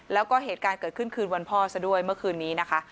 แล้วก็เหตุการณ์เกิดขึ้นคืนวันพ่อซะด้วยเมื่อคืนนี้นะคะ